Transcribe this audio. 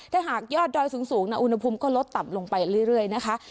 ถ้าหากยอดดอยสูงอุณหภูมิก็ลดต่ำลงไปเรื่อยนะคะ